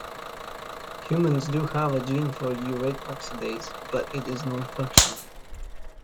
Humans do have a gene for urate oxidase, but it is nonfunctional.